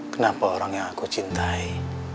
kenapa orang yang aku cintai